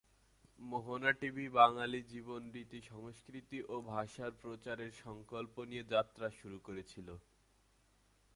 মোহনা TV Bengali জীবন রীতি, সংস্কৃতি ও ভাষার প্রচারের সংকল্প নিয়ে যাত্রা শুরু করেছিল।